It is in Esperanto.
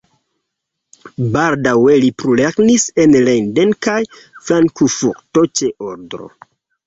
Baldaŭe li plulernis en Leiden kaj Frankfurto ĉe Odro.